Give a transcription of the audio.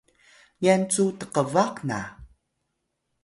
nyan cu tqbaq na